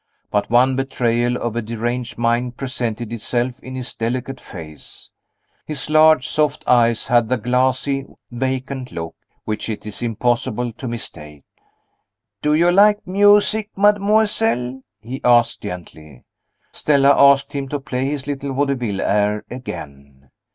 But one betrayal of a deranged mind presented itself in his delicate face his large soft eyes had the glassy, vacant look which it is impossible to mistake. "Do you like music, mademoiselle?" he asked, gently. Stella asked him to play his little vaudeville air again.